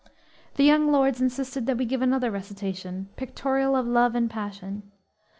The young lords insisted that we give another recitation, pictorial of love and passion.